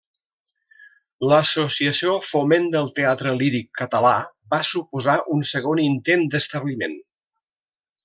L'Associació Foment del Teatre Líric Català va suposar un segon intent d'establiment.